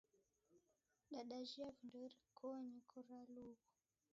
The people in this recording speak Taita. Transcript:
Dandajia vindo irikonyi koralughu!